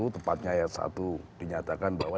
tepatnya ayat satu dinyatakan bahwa